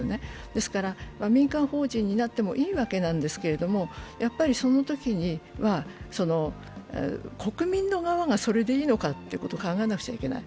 ですから民間法人になってもいいわけなんですけれども、やはり、そのときには、国民の側がそれでいいのかということを考えなくちゃいけない。